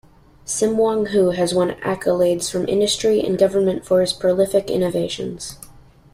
Sim Wong Hoo has won accolades from industry and government for his prolific innovations.